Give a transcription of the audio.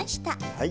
はい。